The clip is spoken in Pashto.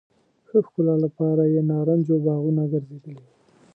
ښه ښکلا لپاره یې نارنجو باغونه ګرځېدلي.